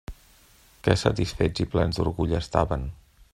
Que satisfets i plens d'orgull estaven!